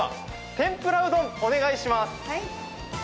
天ぷらうどんお願いします！